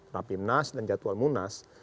rapimnas dan jadwal munas